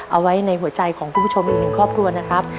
เอาไว้ในหัวใจของคุณผู้ชมอีกหนึ่งครอบครัวนะครับ